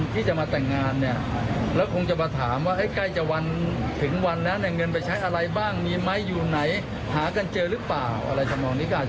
พี่เจ้าบ่าวเนี่ยก็ไม่อยากจะแต่งงาน